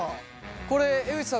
これ江口さん